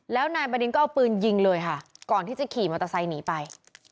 แล้วนายบดินก็เอาปืนยิงเลยค่ะก่อนที่จะขี่มอเตอร์ไซค์หนีไป